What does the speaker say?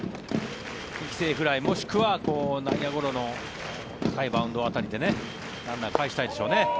犠牲フライ、もしくは内野ゴロの高いバウンド辺りでランナーをかえしたいでしょうね。